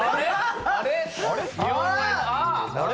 あれ？